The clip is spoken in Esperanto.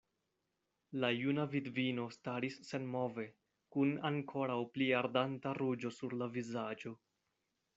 La juna vidvino staris senmove, kun ankoraŭ pli ardanta ruĝo sur la vizaĝo.